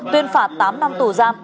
tuyên phạt tám năm tù giam